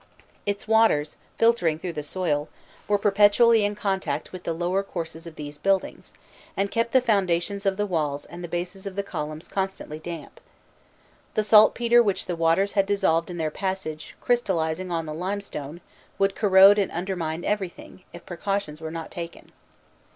Its waters, filtering through the soil, were perpetually in contact with the lower courses of these buildings, and kept the foundations of the walls and the bases of the columns constantly damp: the saltpetre which the waters had dissolved in their passage, crystallising on the limestone, would corrode and undermine everything, if precautions were not taken.